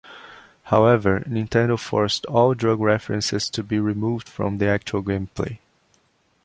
However, Nintendo forced all drug references to be removed from the actual gameplay.